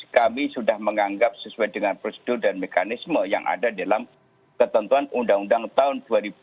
kami sudah menganggap sesuai dengan prosedur dan mekanisme yang ada dalam ketentuan undang undang tahun dua ribu dua